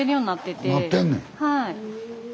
はい。